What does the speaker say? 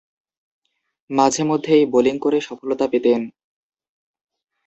মাঝে-মধ্যেই bowling করে সফলতা পেতেন।